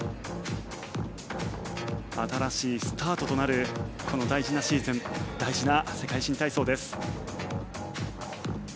新しいスタートとなるこの大事なシーズン大事な世界新体操です。